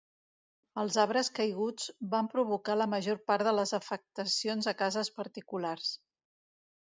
Els arbres caiguts van provocar la major part de les afectacions a cases particulars.